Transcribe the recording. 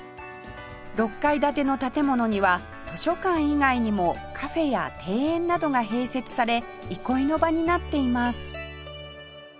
６階建ての建物には図書館以外にもカフェや庭園などが併設され憩いの場になっています